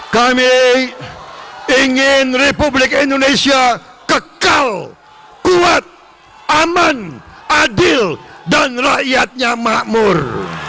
kami ingin republik indonesia kekal kuat aman adil dan rakyatnya makmur